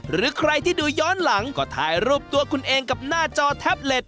หรือใครที่ดูย้อนหลังก็ถ่ายรูปตัวคุณเองกับหน้าจอแท็บเล็ต